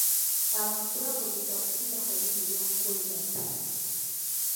Abantu tebakozesa bupiira nga beenyigira mu kwegatta.